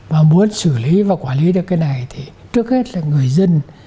và muốn xử lý và quản lý được cái này thì trước hết là người dân phải được giác ngộ phải được nhận được